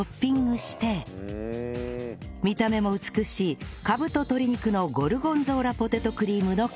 見た目も美しいかぶと鶏肉のゴルゴンゾーラポテトクリームの完成